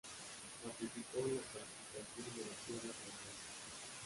Participó en la pacificación de las tierras del reino.